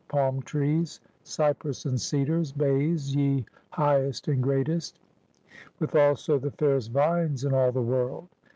Palm trees, Cypresse and Cedars, Bayes ye highest and greatest; with also the f ayrest vines in all the world.